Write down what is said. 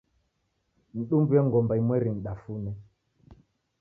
Nidumbue ngomba imweri nidafune.